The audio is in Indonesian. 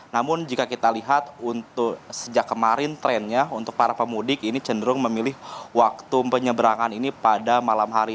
namun jika kita lihat untuk sejak kemarin trennya untuk para pemudik ini cenderung memilih waktu penyeberangan ini pada malam hari